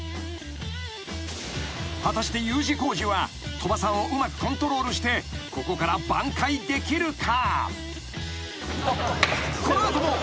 ［果たしてＵ字工事は鳥羽さんをうまくコントロールしてここから挽回できるか？］